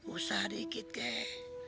usah dikit kek